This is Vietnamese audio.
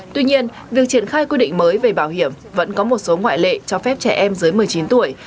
tuy nhiên việc triển khai quy định mới về bảo hiểm vẫn có một số ngoại lệ cho phép trẻ em dưới một mươi chín tuổi